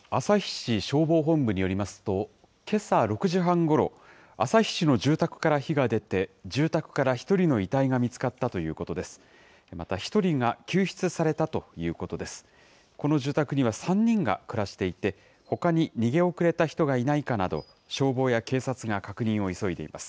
市消防本部によりますと、けさ６時半ごろ、旭市の住宅から火が出て、住宅から１人の遺体が見つかったということです。